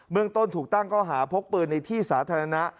เมืองต้นถูกตั้งข้อหาพกปืนในที่สาธารณะ